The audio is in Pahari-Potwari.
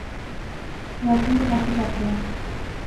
راتی میں کافی تپ رہیا